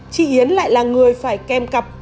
chị yến lại là người phải kem cặp